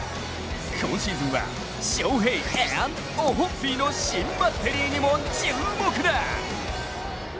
今シーズンはショーヘイ＆オホッピーの新バッテリーにも注目だ。